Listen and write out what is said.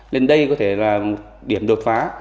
nên đây có thể là điểm đột phá